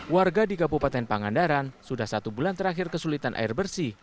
warga di kabupaten pangandaran sudah satu bulan terakhir kesulitan air bersih